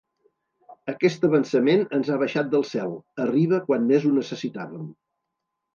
Aquest avançament ens ha baixat del cel. Arriba quan més ho necessitàvem.